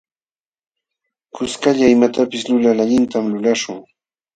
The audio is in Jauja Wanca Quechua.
Kuskalla imatapis lulal allintam lulaśhun.